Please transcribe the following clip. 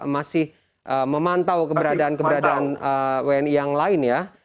masih memantau keberadaan keberadaan wni yang lain ya